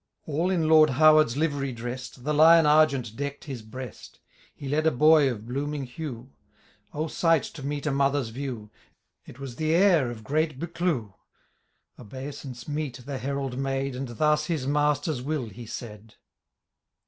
All in Lord Howard's livery dress'd. The lion argent deck'd his breast ; He led a boy of blooming hue — O sight to meet a mother's view ! It was the heir of great Buccleuch Obeisance meet the herald mjide. And thus his master's will he said.